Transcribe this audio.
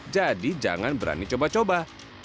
jadi jangan berani coba coba